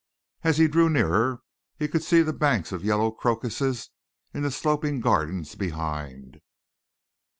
As he drew nearer, he could see the banks of yellow crocuses in the sloping gardens behind.